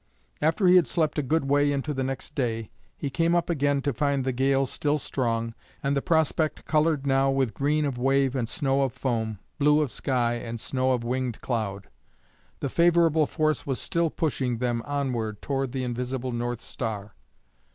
After he had slept a good way into the next day, he came up again to find the gale still strong and the prospect coloured now with green of wave and snow of foam, blue of sky and snow of winged cloud. The favourable force was still pushing them onward toward the invisible north star.